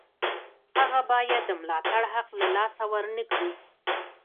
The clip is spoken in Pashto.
هغه باید د ملاتړ حق له لاسه ورنکړي.